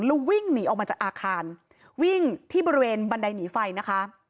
แล้ววิ่งหนีออกมาจากอาคารวิ่งที่บริเวณบันไดหนีไฟนะคะ